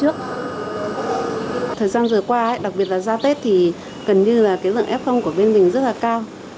thời gian vừa qua đặc biệt là ra tết thì gần như là cái lượng f của bên mình rất là cao